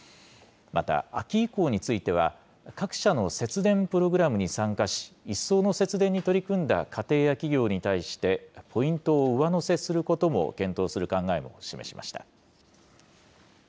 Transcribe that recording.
また、秋以降については、各社の節電プログラムに参加し、一層の節電に取り組んだ家庭や企業に対して、ポイントを上乗せすることも検討する考えも示しました。